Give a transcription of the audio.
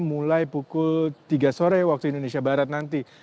mulai pukul tiga sore waktu indonesia barat nanti